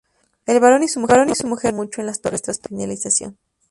El Barón y su mujer no vivieron mucho en las Torres tras su finalización.